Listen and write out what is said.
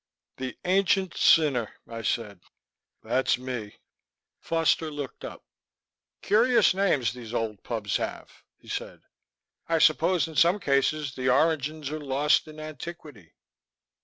"The Ancient Sinner," I said. "That's me." Foster looked up. "Curious names these old pubs have," he said. "I suppose in some cases the origins are lost in antiquity."